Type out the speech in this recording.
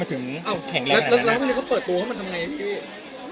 แล้วพรุ่งนี้เขาเปิดตัวเขามันทำยังไงพี่